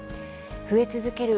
増え続ける